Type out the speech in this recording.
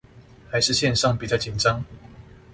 還是線上比較緊張